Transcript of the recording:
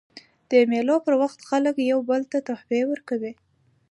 د مېلو پر وخت خلک یو بل ته تحفې ورکوي.